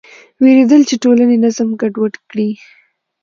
وېرېدل چې ټولنې نظم ګډوډ کړي.